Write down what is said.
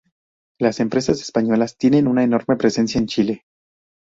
Las empresas españolas tienen una enorme presencia en Chile.